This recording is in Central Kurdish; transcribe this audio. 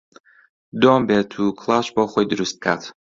دۆم بێت و کڵاش بۆ خۆی دروست کات